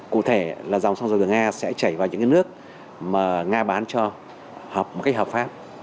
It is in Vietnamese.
cụ thể là dòng xăng dầu từ nga sẽ chảy vào những cái nước mà nga bán cho một cách hợp pháp